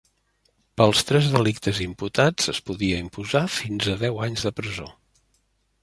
Pels tres delictes imputats es podia imposar fins a deu anys de presó.